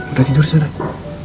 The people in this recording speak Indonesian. udah tidur sih anakku